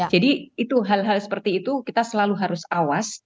jadi hal hal seperti itu kita selalu harus awas